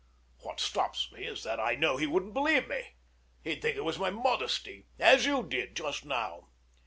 What stops me is that I know he wouldn't believe me. He'd think it was my modesty, as you did just now.